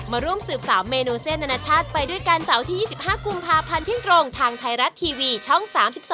ร่วมสืบสาวเมนูเส้นอนาชาติไปด้วยกันเสาร์ที่๒๕กุมภาพันธ์เที่ยงตรงทางไทยรัฐทีวีช่อง๓๒